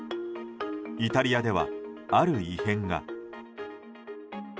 イタリアでは、ある異変が。